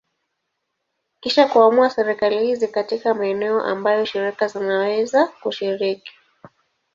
Kisha kuamua serikali hizi katika maeneo ambayo shirika zinaweza kushiriki.